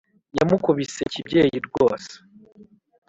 yamukubise kibyeyi rwose